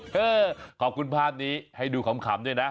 เออขอบคุณภาพนี้ให้ดูขำด้วยนะ